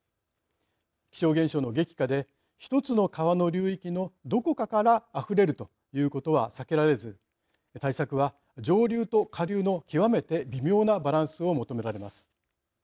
気象現象の激化でひとつの川の流域のどこかからあふれるということは避けられず対策は上流と下流の極めて微妙なバランスを求められます。